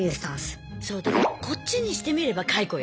そうだからこっちにしてみれば解雇よ。